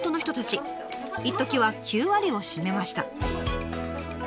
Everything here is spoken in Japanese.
いっときは９割を占めました。